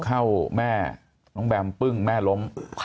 เข้าแม่น้องแบมปึ้งแม่ล้ม